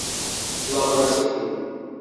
লবন আছে একটু।